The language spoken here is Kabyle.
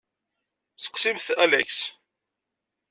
Seqsimt Alex.